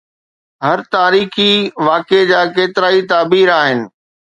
هر تاريخي واقعي جا ڪيترائي تعبير آهن.